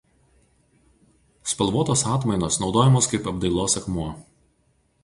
Spalvotos atmainos naudojamos kaip apdailos akmuo.